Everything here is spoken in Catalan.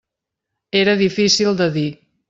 Era difícil de dir.